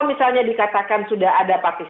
misalnya dikatakan sudah ada partisipa